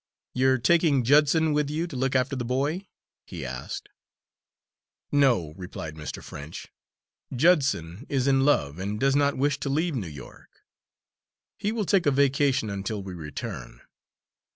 "You're taking Judson with you to look after the boy?" he asked. "No," replied Mr. French, "Judson is in love, and does not wish to leave New York. He will take a vacation until we return.